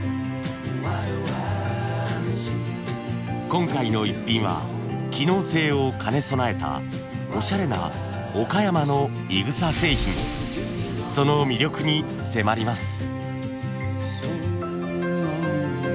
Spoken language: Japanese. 今回のイッピンは機能性を兼ね備えたおしゃれな岡山のいぐさ製品その魅力に迫ります。